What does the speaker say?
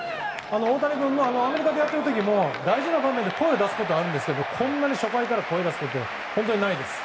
大谷君、アメリカでやってる時も大事な場面で声を出すことがあるんですけど初回からこんなに声を出すのは本当にないです。